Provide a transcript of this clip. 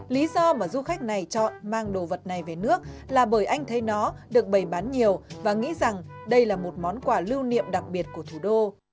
lý do mà du khách này chọn mang đồ vật này về nước là bởi anh thấy nó được bày bán nhiều và nghĩ rằng đây là một món quà lưu niệm đặc biệt của thủ đô